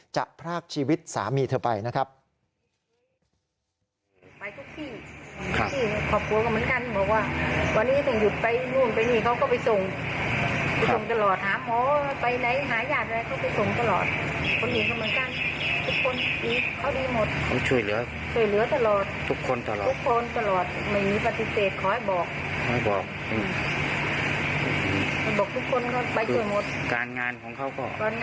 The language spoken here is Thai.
พรากชีวิตสามีเธอไปนะครับ